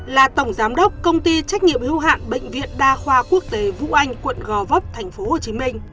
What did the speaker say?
là tổng giám đốc công ty trách nhiệm hữu hạn bệnh viện đa khoa quốc tế vũ anh quận gò vấp tp hcm